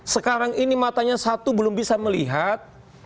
sekarang ini matanya satu belum bisa melihat